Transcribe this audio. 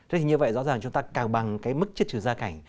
thế thì như vậy rõ ràng chúng ta cao bằng cái mức chất trừ gia cảnh